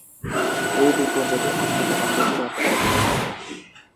এই দ্বীপপুঞ্জটি আফ্রিকা মহাদেশ এর অন্তর্গত।